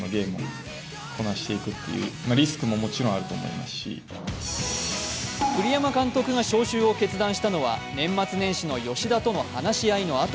吉田は先月の会見で栗山監督が招集を決断したのは年末年始の吉田との話し合いのあと。